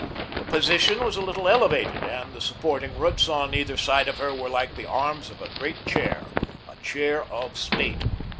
The position was a little elevated and the supporting roots on either side of her were like the arms of a great chair a chair of state.